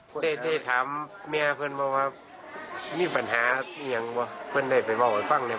เป้อกับความหนุกเวลาวางบิดกะวับผู้ใหญ่คนทั้งหลาย